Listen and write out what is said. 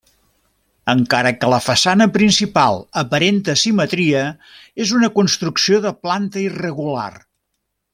Encara que la façana principal aparenta simetria, és una construcció de planta irregular.